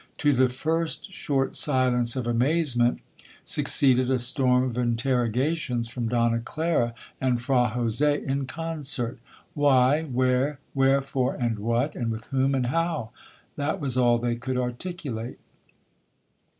To the first short silence of amazement, succeeded a storm of interrogations from Donna Clara and Fra Jose in concert—why—where—wherefore—and what, and with whom and how—that was all they could articulate.